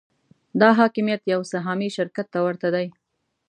دا حاکمیت یو سهامي شرکت ته ورته دی.